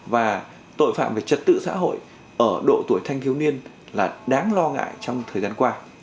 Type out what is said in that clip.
và tội phạm về trật tự xã hội ở độ tuổi thanh thiếu niên là đáng lo ngại trong thời gian qua